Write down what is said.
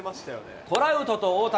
トラウトと大谷。